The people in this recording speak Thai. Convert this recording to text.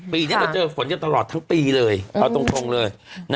ปีนี้เราเจอฝนกันตลอดทั้งปีเลยเอาตรงเลย